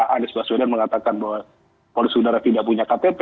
anies baswedan mengatakan bahwa polisi udara tidak punya ktp